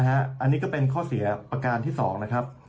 อันนี้ก็เป็นข้อเสียประการที่๒นะครับ